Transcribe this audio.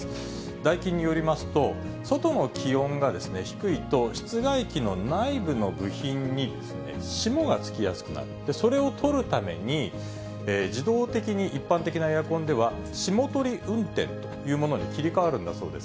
ダイキンによりますと、外の気温が低いと、室外機の内部の部品に霜がつきやすくなって、それを取るために自動的に一般的なエアコンでは、霜取り運転というものに切り替わるんだそうです。